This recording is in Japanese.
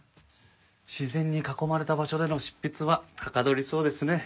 自然に囲まれた場所での執筆ははかどりそうですね。